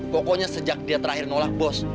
pokoknya sejak dia terakhir nolak bos